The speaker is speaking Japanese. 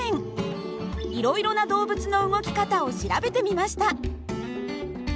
いろいろな動物の動き方を調べてみました。